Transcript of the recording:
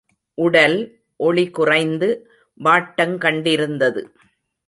உடல் ஒளிகுறைந்து வாட்டங் கண்டிருந்தது.